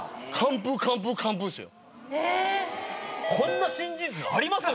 こんな新事実ありますか？